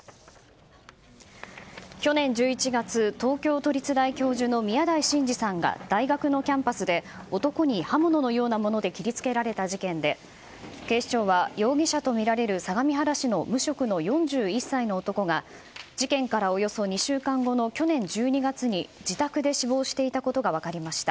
去年１１月、東京都立大教授の宮台真司さんが大学のキャンパスで男に刃物のようなもので切りつけられた事件で警視庁は、容疑者とみられる相模原市の無職の４１歳の男が事件からおよそ２週間後の去年１２月に自宅で死亡していたことが分かりました。